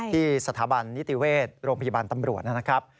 ที่สถาบันนิติเวชโรงพยาบาลตำรวจนะครับ